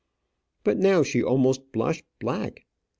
But now she almost blushed black.